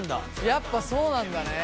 やっぱそうなんだね。